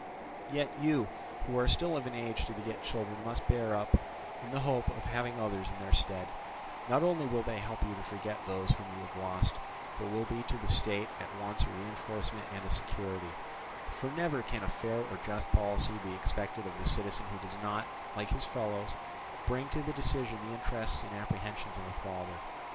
Yet you who are still of an age to beget children must bear up in the hope of having others in their stead; not only will they help you to forget those whom you have lost, but will be to the state at once a reinforcement and a security; for never can a fair or just policy be expected of the citizen who does not, like his fellows, bring to the decision the interests and apprehensions of a father.